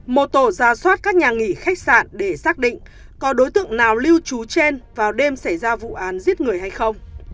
một tổ ra soát các nhà nghỉ khách sạn để xác định có đối tượng nào lưu trú trên vào đêm xảy ra vụ án giết người hay không